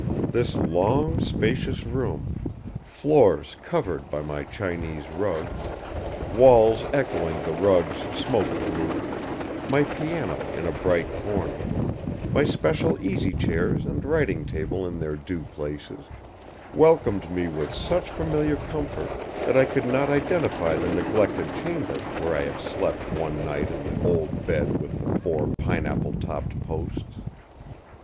This long, spacious room; floors covered by my Chinese rugs, walls echoing the rugs' smoke blue, my piano in a bright corner, my special easychairs and writing table in their due places, welcomed me with such familiar comfort that I could not identify the neglected chamber where I had slept one night in the old bed with the four pineapple topped posts.